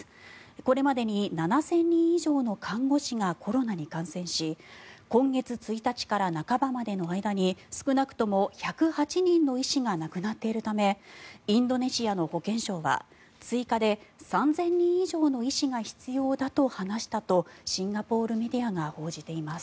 これまでに７０００人以上の看護師がコロナに感染し今月１日から半ばまでの間に少なくとも１０８人の医師が亡くなっているためインドネシアの保健相は追加で３０００人以上の医師が必要だと話したとシンガポールメディアが報じています。